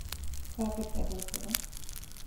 ކާޕެޓް ބަދަލުކުރުން